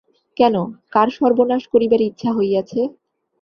কেন, কার সর্বনাশ করিবার ইচ্ছা হইয়াছে।